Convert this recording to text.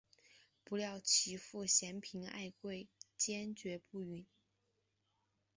不料其父嫌贫爱富坚决不允。